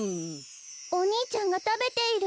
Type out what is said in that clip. おにいちゃんがたべている。